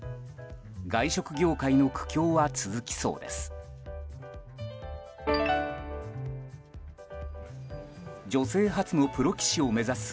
外食業界の苦境は続きそうです。